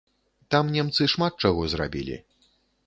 Там немцы шмат чаго зрабілі.